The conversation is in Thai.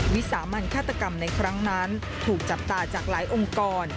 วิสามันฆาตกรรมในครั้งนั้นถูกจับตาจากหลายองค์กร